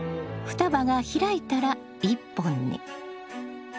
双葉が開いたら１本に。